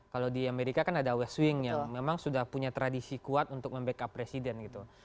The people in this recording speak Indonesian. kalau di amerika kan ada west wing yang memang sudah punya tradisi kuat untuk membackup presiden gitu